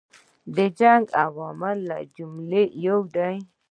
جنګ عواملو له جملې یو دی.